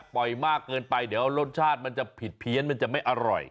มากเกินไปเดี๋ยวรสชาติมันจะผิดเพี้ยนมันจะไม่อร่อย